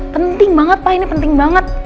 penting banget pak ini penting banget